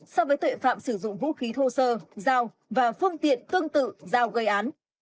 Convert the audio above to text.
so với tuệ phạm sử dụng vũ khí thô sơ dao và phương tiện tương tự dao gây án